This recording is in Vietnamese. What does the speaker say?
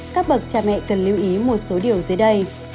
các bậc cha mẹ cần lưu ý một số điều dưới đây